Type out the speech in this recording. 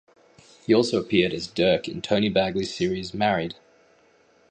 He also appeared as Dirk in Tony Bagley's series "Married".